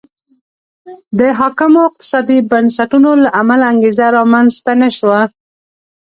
د حاکمو اقتصادي بنسټونو له امله انګېزه رامنځته نه شوه.